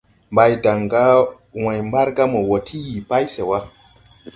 Mbaydan gà wãy Mbargā mo wɔɔ ti yii pay se wa.